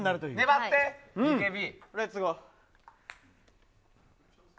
粘って、ＢＫＢ！